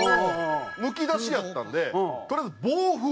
むき出しやったんでとりあえず防風。